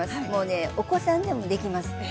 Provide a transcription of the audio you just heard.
もうねお子さんでもできます。